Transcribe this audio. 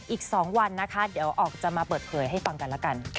อีก๒วันนะคะเดี๋ยวออกจะมาเปิดเผยให้ฟังกันแล้วกัน